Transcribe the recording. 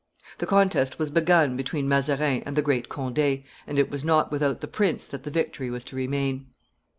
The contest was begun between Mazarin and the great Conde, and it was not with the prince that the victory was to remain.